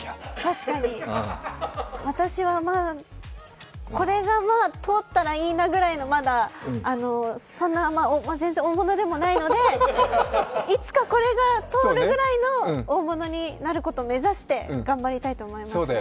確かに、私はこれが通ったらいいなぐらいのまだそんな、全然大物でもないのでいつかこれが通るくらいの大物になることを目指して頑張りたいと思います。